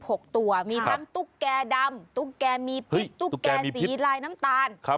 เพราะมีทั้งตุ๊กแกรดำตุ๊กแกรมีผิดตุ๊กแกรสีไร้น้ำตาล